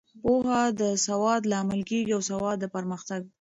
پوهه د سواد لامل کیږي او سواد د پرمختګ.